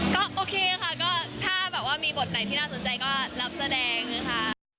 ก็โอเคค่ะก็ถ้าแบบว่ามีบทไหนที่น่าสนใจก็รับแสดงนะคะ